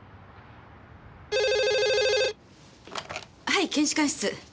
はい検視官室。